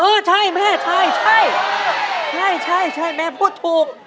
เออใช่แม่ใช่ใช่แม่พูดถูก